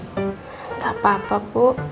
gak apa apa bu